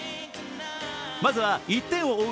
まずは、１点を追う